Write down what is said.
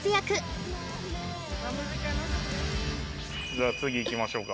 じゃあ次いきましょうか。